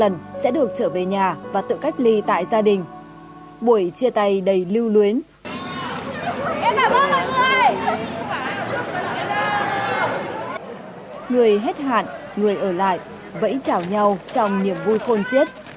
người hết hạn người ở lại vẫy chào nhau trong niềm vui khôn siết